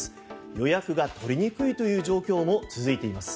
予約が取りにくいという状況も続いています。